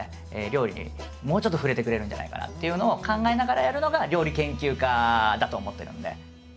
料理にもうちょっと触れてくれるんじゃないかなというのを考えながらやるのが料理研究家だと思ってるんで。